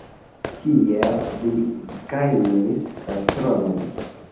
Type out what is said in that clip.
Tiel li gajnis la tronon.